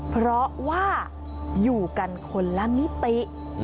เพราะว่าอยู่กันคนละมิติ